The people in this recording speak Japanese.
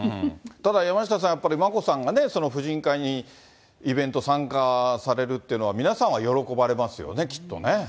ただ、山下さん、やっぱり眞子さんがね、夫人会にイベント参加されるっていうのは、皆さんは喜ばれますよね、きっとね。